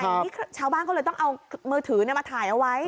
นี่ชาวบ้านก็เลยต้องเอามือถือมาถ่ายเอาไว้